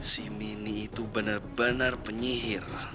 si mini itu bener bener penyihir